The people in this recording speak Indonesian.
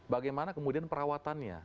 bagaimana kemudian perawatannya